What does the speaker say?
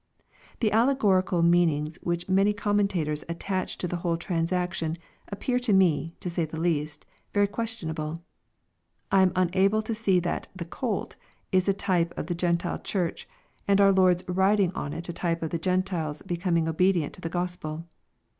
The allegorical meanings which many commentators attach tc the whole transaction, appear to me, to say the least, very ques tionable. I am unable to see that " the colt ' is a type of the G en tile Church, and our Lord's riding on it a type of the G entiles be coming obedient to the Gospel.